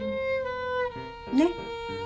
ねっ。